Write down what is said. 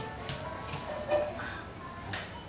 あっ。